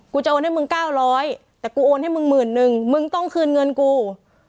จะโอนให้มึง๙๐๐แต่กูโอนให้มึงหมื่นนึงมึงต้องคืนเงินกู